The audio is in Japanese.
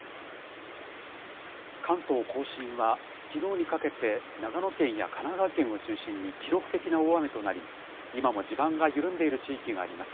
関東甲信は、きのうにかけて長野県や神奈川県を中心に記録的な大雨となり、今も地盤が緩んでいる地域があります。